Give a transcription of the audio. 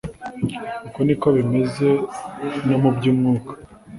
uko ni ko bimeze no mu by’umwuka